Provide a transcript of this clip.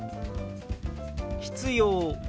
「必要」。